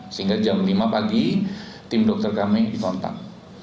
sehingga jam lima pagi tim dokter kami dikontak